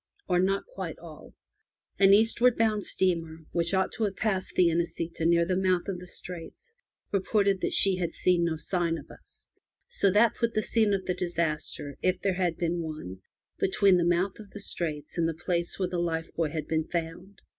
Or not quite all. An eastward bound steamer, which ought to have passed the Inesita near the mouth of the Straits, reported that she had seen no sign of us. So that put the scene of the disaster, if there had been one, between the mouth of the Straits and the place where the life buoy had been found.